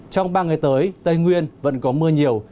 trong ba ngày tới tây nguyên vẫn có mưa nhiều